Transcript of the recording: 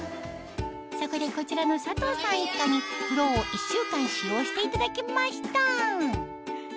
そこでこちらの佐藤さん一家にフローを１週間使用していただきました